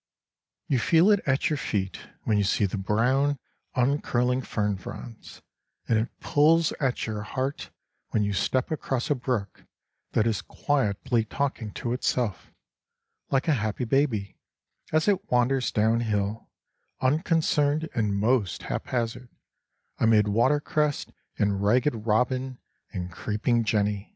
You feel it at your feet when you see the brown, uncurling fern fronds; and it pulls at your heart when you step across a brook that is quietly talking to itself, like a happy baby, as it wanders downhill, unconcerned and most haphazard, amid watercress and ragged robin and creeping jenny.